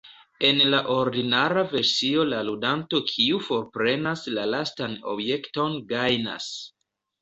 En la ordinara versio la ludanto kiu forprenas la lastan objekton gajnas.